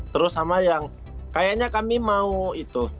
terus sama yang kayaknya kami mau itu